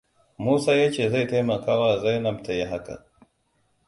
Musa ya ce zai taimakawa Zainab ta yi haka.